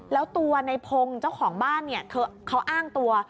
แล้วตัวในพงศ์เจ้าของบ้านเนี่ยเขาอ้างตัว